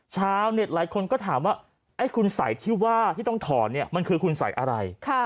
ชาวเน็ตหลายคนก็ถามว่าไอ้คุณสัยที่ว่าที่ต้องถอนเนี่ยมันคือคุณใส่อะไร